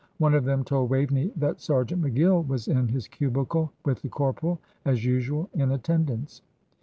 One of them told Waveney that Sergeant McGill was in his cubicle with the corporal, as usual, in attendance.